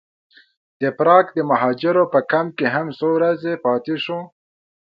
د پراګ د مهاجرو په کمپ کې هم څو ورځې پاتې شوو.